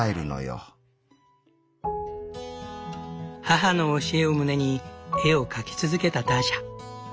母の教えを胸に絵を描き続けたターシャ。